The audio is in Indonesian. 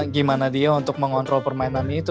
gimana dia untuk mengontrol permainan itu